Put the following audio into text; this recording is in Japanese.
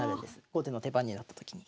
後手の手番になった時に。